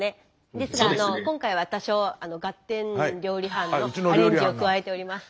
ですが今回は多少ガッテン料理班のアレンジを加えております。